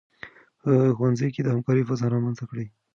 په ښوونځي کې د همکارۍ فضا رامنځته کړئ.